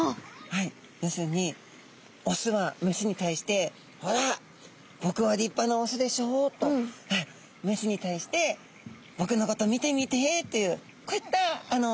はい要するにオスはメスに対して「ほら僕は立派なオスでしょう」とメスに対して「僕のこと見てみて」というこういったあの。